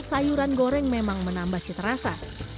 sayuran goreng memang menambah cita rasa